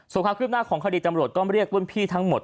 ส่วนข้างขึ้นหน้าของคดีจำรวจก็ไม่เรียกอุ้นพี่ทั้งหมด